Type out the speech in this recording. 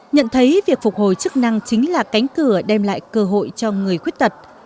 nhận thấy việc phục hồi chức năng chính là cánh cửa đem lại cơ hội cho người khuyết tật